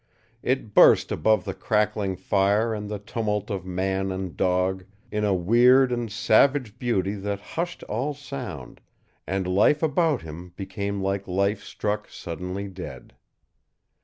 It burst above the crackling fire and the tumult of man and dog in a weird and savage beauty that hushed all sound; and life about him became like life struck suddenly dead.